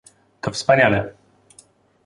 To wspaniale!